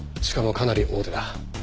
しかもかなり大手だ。